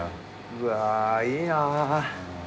うわいいな。